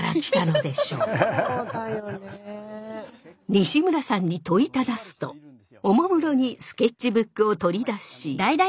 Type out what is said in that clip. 西村さんに問いただすとおもむろにスケッチブックを取り出し。